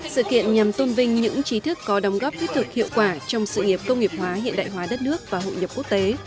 sự kiện nhằm tôn vinh những trí thức có đồng góp thiết thực hiệu quả trong sự nghiệp công nghiệp hóa hiện đại hóa đất nước và hội nhập quốc tế